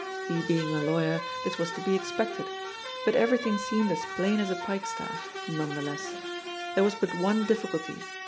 He being a lawyer, this was to be ex pected. But everything seemed as plain as a pike staff, nonetheless. There was but one difficulty.